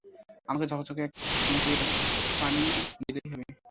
আমাকে ঝকঝকে এক গ্লাস পানি দিলেই হবে।